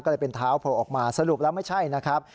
ก็เลยเป็นเท้าโผล่ออกมาสรุปแล้วไม่ใช่นะครับ